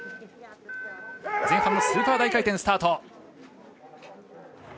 前半のスーパー大回転スタート。